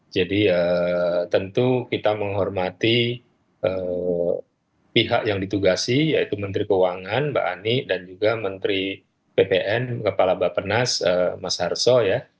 jadi tentu kita menghormati pihak yang ditugasi yaitu menteri keuangan mbak ani dan juga menteri ppn kepala bapenas mas harso